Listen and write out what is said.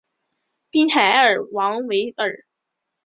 滨海埃尔芒维尔。